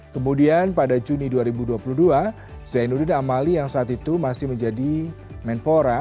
kemudian pada juni dua ribu dua puluh dua zainuddin amali yang saat itu masih menjadi menpora